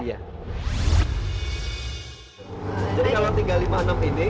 jadi kalau tiga ratus lima puluh enam ini